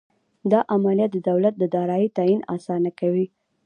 دا عملیه د دولت د دارایۍ تعین اسانه کوي.